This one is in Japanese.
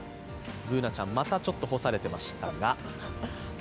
Ｂｏｏｎａちゃん、またちょっと干されてましたが。